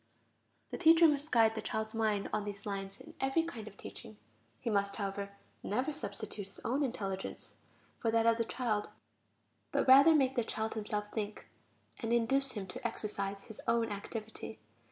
The teacher must guide the child's mind on these lines in every kind of teaching; he must, however, never substitute his own intelligence for that of the child, but rather make the child himself think, and induce him to exercise his own activity.